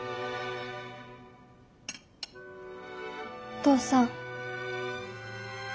お父さん。